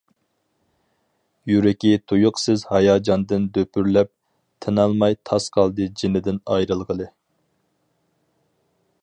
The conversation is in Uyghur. يۈرىكى تۇيۇقسىز ھاياجاندىن دۈپۈرلەپ، تىنالماي تاس قالدى جېنىدىن ئايرىلغىلى.